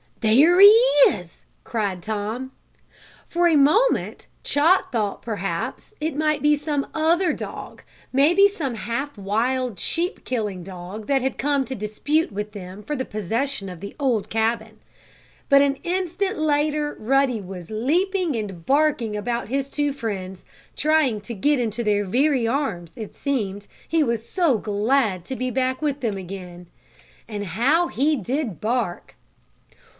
"There he is!" cried Tom. For a moment Chot thought perhaps it might be some other dog, maybe some half wild sheep killing dog that had come to dispute with them for the possession of the old cabin. But, an instant later, Ruddy was leaping and barking about his two friends, trying to get into their very arms, it seemed, he was so glad to be back with them again. And how he did bark!